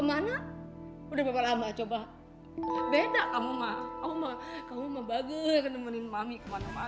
masih butuh banyak bimbingan dan perhatian